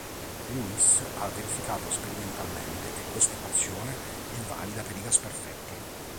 Lewis ha verificato sperimentalmente che questa equazione è valida per i gas perfetti.